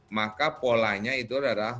maka polanya itu adalah